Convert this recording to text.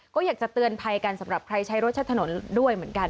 ก็อยากจะเตือนภัยกันสำหรับใครใช้รถใช้ถนนด้วยเหมือนกัน